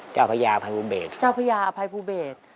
เจ้าพระยาอภัยภูเบส